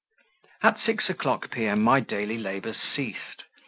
At six o'clock P.M. my daily labours ceased.